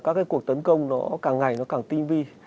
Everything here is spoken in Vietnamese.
các cái cuộc tấn công nó càng ngày nó càng tinh vi